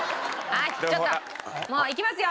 はいちょっともういきますよ。